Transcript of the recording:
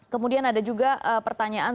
kemudian ada juga pertanyaan